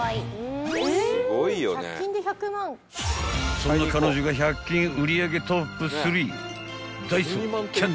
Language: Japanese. ［そんな彼女が１００均売り上げトップ３ＤＡＩＳＯＣａｎ☆